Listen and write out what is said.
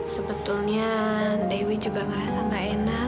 sebetulnya dewi juga ngerasa gak enak